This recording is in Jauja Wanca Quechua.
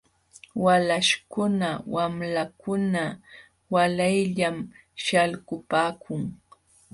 Walaśhkuna wamlakuna waalayllam śhalkupaakun .